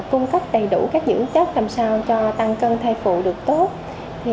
cung cấp đầy đủ các dưỡng chất làm sao cho tăng cân thai phụ được tốt